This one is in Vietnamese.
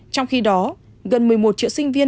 trong khi đó gần một mươi một triệu sinh viên